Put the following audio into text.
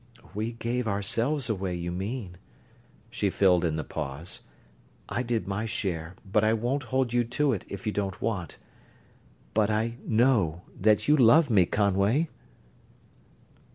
"We gave ourselves away, you mean," she filled in the pause. "I did my share, but I won't hold you to it if you don't want but I know that you love me, Conway!"